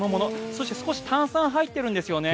そして少し炭酸が入っているんですよね。